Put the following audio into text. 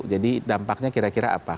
jadi dampaknya kira kira apa